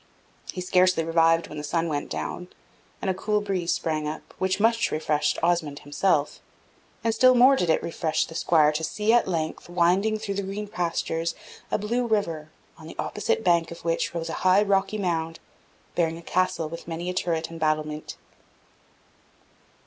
He scarcely revived when the sun went down, and a cool breeze sprang up, which much refreshed Osmond himself; and still more did it refresh the Squire to see, at length, winding through the green pastures, a blue river, on the opposite bank of which rose a high rocky mound, bearing a castle with many a turret and battlement.